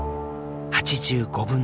８５分の１。